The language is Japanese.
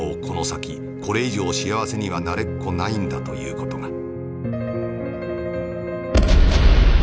この先これ以上幸せにはなれっこないんだという事が」。